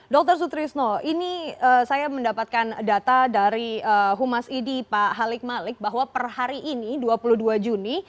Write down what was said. dr sutrisno ini saya mendapatkan data dari humas idi pak halik malik bahwa per hari ini dua puluh dua juni